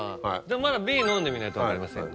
まだＢ飲んでみないと分かりませんよ。